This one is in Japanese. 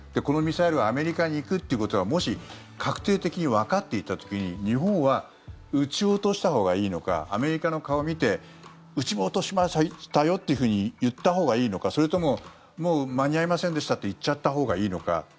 このミサイルがアメリカに行くってことがもし確定的にわかっていた時に日本は撃ち落としたほうがいいのかアメリカの顔を見て撃ち落としましたよと言ったほうがいいのか、それとももう間に合いませんでしたと言っちゃったほうがいいのか。